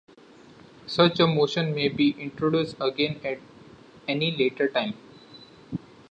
Such a motion may be introduced again at any later time.